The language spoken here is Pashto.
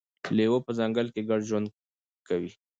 لیوه په ځنګل کې ګډ ژوند کوي.